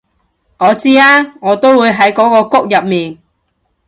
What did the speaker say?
我知啊我都喺嗰個谷入面